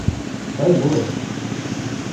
- Дай боже...